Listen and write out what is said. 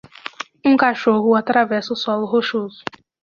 Um cachorro atravessa o solo rochoso.